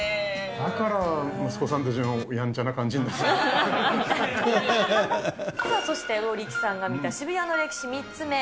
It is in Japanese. だから息子さんたちも、さあそして、魚力さんが見た渋谷の歴史、３つ目。